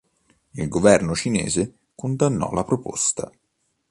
Il governo cinese condannò la proposta.